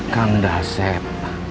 kamu udah set